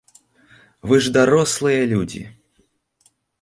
Вы ж дарослыя людзі.